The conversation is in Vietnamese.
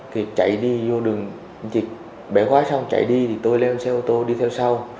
kiệt chạy đi vô đường anh kiệt bẻ quá xong chạy đi thì tôi leo xe ô tô đi theo sau